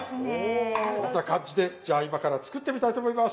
そんな感じでじゃあ今から作ってみたいと思います。